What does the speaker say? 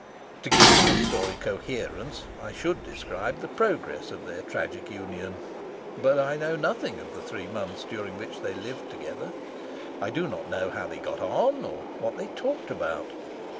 To give my story coherence I should describe the progress of their tragic union, but I know nothing of the three months during which they lived together. I do not know how they got on or what they talked about.